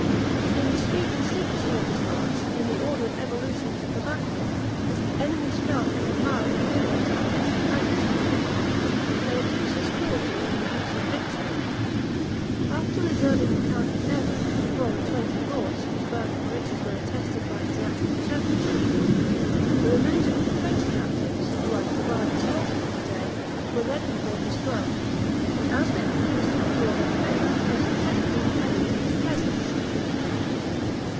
In the speed and secrecy of his march, in the order and evolutions of the battle, his enemies felt and admired the military talents of Bajazet. They accuse his cruelty in the use of victory. After reserving the count of Nevers, and four and twenty lords, 632 whose birth and riches were attested by his Latin interpreters, the remainder of the French captives, who had survived the slaughter of the day, were led before his throne; and, as they refused to abjure their faith, were successively beheaded in his presence.